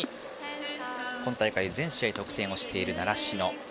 今大会全試合得点をしている習志野。